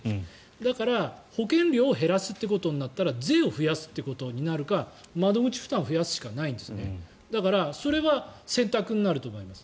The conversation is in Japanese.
だから保険料を減らすということになったら税を増やすことになるか窓口負担を増やすしかないんですだからそれは選択になると思います。